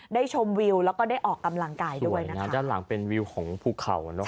ชมวิวแล้วก็ได้ออกกำลังกายด้วยนะคะด้านหลังเป็นวิวของภูเขาอ่ะเนอ